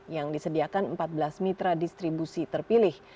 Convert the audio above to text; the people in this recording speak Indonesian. yang disediakan empat belas mitra distribusi terpilih